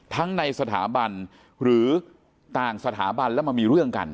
ในสถาบันหรือต่างสถาบันแล้วมามีเรื่องกัน